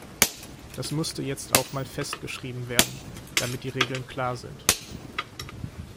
Das musste jetzt auch mal festgeschrieben werden, damit die Regeln klar sind.